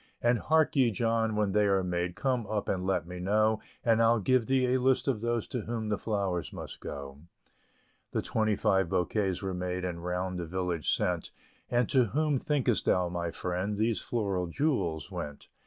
And hark ye, John, when they are made Come up and let me know; And I'll give thee a list of those To whom the flowers must go." The twenty five bouquets were made, And round the village sent; And to whom thinkest thou, my friend, These floral jewels went?